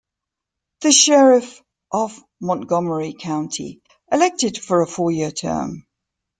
The sheriff of Montgomery County, elected for a four-year term.